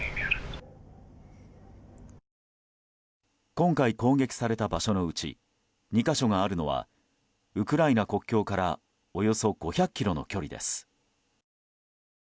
今回、攻撃された場所のうち２か所があるのはウクライナ国境からおよそ５００ｋｍの距離です。